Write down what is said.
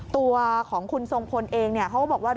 ตัวของคุณทรงพลเองเขาก็บอกว่า